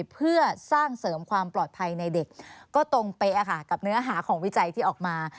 เพื่อสร้างเสริมความปลอดภัยในเด็กก็ตรงเป๊ะกับเนื้อหาของวิจัยที่ออกมา